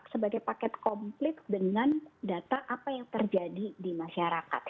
sebagai paket komplit dengan data apa yang terjadi di masyarakat